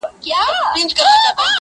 همېشه به بېرېدى له جنرالانو!!